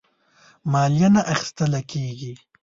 مالیه نه اخیستله کیږي.